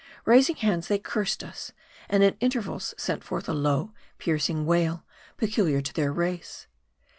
Raising hands, they cursed us ; and at intervals sent forth a low, piercing wail, peculiar to their race.